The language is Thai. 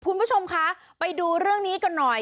คุณผู้ชมคะไปดูเรื่องนี้กันหน่อย